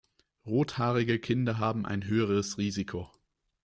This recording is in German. Rothaarige Kinder haben ein höheres Risiko.